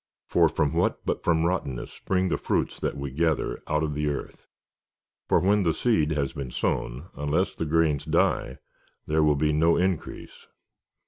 For from wdiat but from rottenness spring the fruits that w^e gather out of the earth ? For wdien the seed has been sown, unless the grains die, there will be no increase.